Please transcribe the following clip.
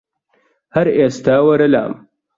هەر ئیستا وەرە لام